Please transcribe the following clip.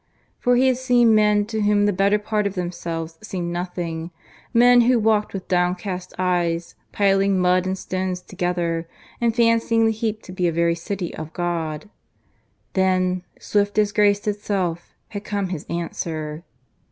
For he had seen men to whom the better part of themselves seemed nothing; men who walked with downcast eyes, piling mud and stones together, and fancying the heap to be a very City of God. Then, swift as grace itself, had come his answer.